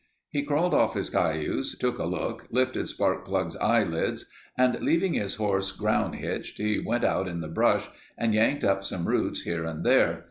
He crawled off his cayuse, took a look, lifted Sparkplug's eyelids and leaving his horse ground hitched, he went out in the brush and yanked up some roots here and there.